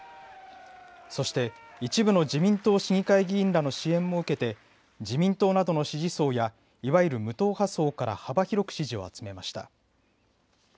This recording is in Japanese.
そして、一部の自民党市議会議員らの支援も受けて自民党などの支持層やいわゆる無党派層から幅広く支持を集めました。